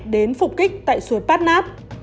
đến phục kích tại suối pát nát